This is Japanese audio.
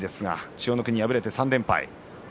千代の国、敗れて３連敗です。